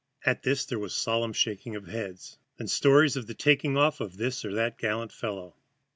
At this there was a solemn shaking of heads, then stories of the taking off of this or that gallant fellow.